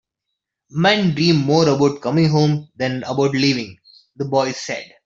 "Men dream more about coming home than about leaving," the boy said.